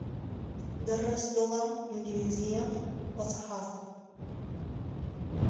He taught English and journalism.